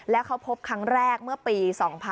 แล้วเขาพบครั้งแรกเมื่อปี๒๕๕๘